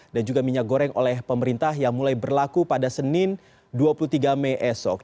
dan juga minyak goreng oleh pemerintah yang mulai berlaku pada senin dua puluh tiga mei esok